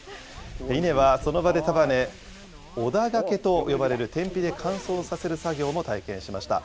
稲はその場で束ね、おだがけと呼ばれる、天日で乾燥させる作業も体験しました。